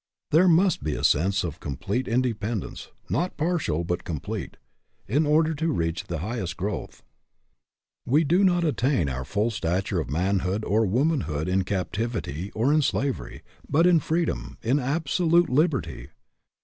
There must be a sense of complete inde pendence, not partial but complete, in order to reach the highest growth. We do not attain our full stature of manhood or womanhood in captivity or in slavery, but in freedom, in absolute liberty.